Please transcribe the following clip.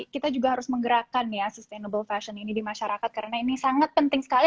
kita juga harus menggerakkan ya sustainable fashion ini di masyarakat karena ini sangat penting sekali